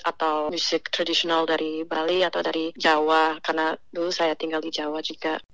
atau musik tradisional dari bali atau dari jawa karena dulu saya tinggal di jawa juga